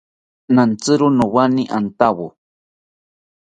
Rantziro nowani antawo